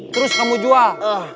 terus kamu jual